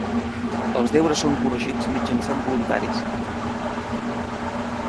Els deures són corregits mitjançant voluntaris.